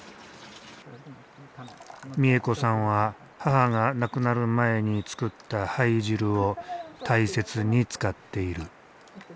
美恵子さんは母が亡くなる前に作った灰汁を大切に使っている。